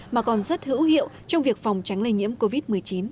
mà còn rất hữu hiệu trong việc phòng tránh lây nhiễm covid một mươi chín